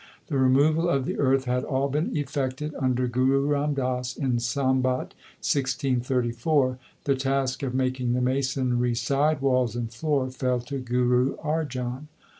The removal of the earth had all been effected under Guru Ram Das in Sambat 1634. The task of making the masonry side walls and floor fell to Guru Arjan.